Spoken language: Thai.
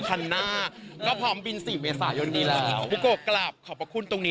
คันหน้าก็พร้อมบินสี่เมษายนดีแล้วบุโกะกลับขอบพระคุณตรงนี้